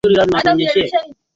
za bluu za mito ya sekondari na